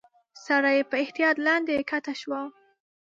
سړی په احتياط لاندي کښته شو.